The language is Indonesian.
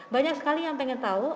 banyak sekali yang pengen tahu